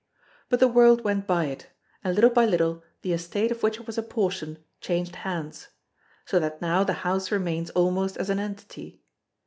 But the world went by it, and little by little the estate of which it was a portion changed hands; so that now the house remains almost as an entity.